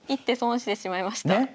１手損してしまいました。ね？